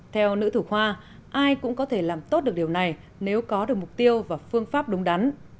theo nữ thủ khoa ai cũng có thể làm tốt được điều này nếu có được mục tiêu và phương pháp đúng đắn